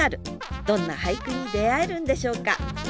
どんな俳句に出会えるんでしょうか？